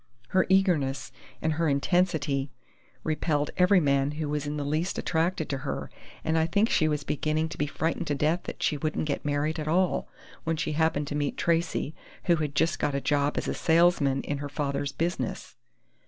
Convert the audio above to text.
Her eagerness and her intensity repelled every man who was in the least attracted to her, and I think she was beginning to be frightened to death that she wouldn't get married at all, when she happened to meet Tracey, who had just got a job as salesman in her father's business.